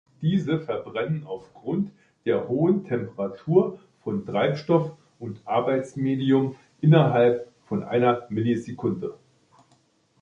Diese verbrennen aufgrund der hohen Temperatur von Treibstoff und Arbeitsmedium innerhalb von einer Millisekunde.